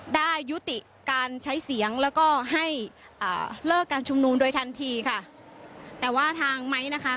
ได้ยุติการใช้เสียงแล้วก็ให้อ่าเลิกการชุมนุมโดยทันทีค่ะแต่ว่าทางไม้นะคะ